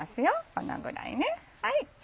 このぐらいね。